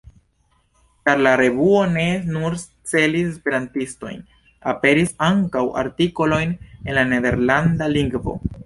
Ĉar la revuo ne nur celis esperantistojn, aperis ankaŭ artikoloj en la nederlanda lingvo.